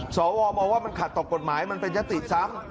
สวมองว่ามันขัดต่อกฎหมายมันเป็นยติซ้ำ